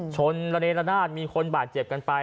ชนระเนละนาดมีคนบาดเจ็บกันไป